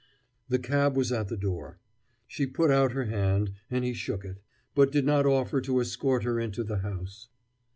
The cab was at the door. She put out her hand, and he shook it; but did not offer to escort her inside the house.